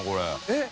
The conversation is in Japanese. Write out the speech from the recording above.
えっ！